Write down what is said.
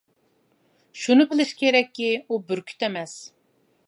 شۇنى بىلىش كېرەككى، ئۇ بۈركۈت ئەمەس.